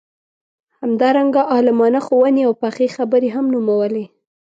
همدارنګه عالمانه ښووني او پخې خبرې هم نومولې.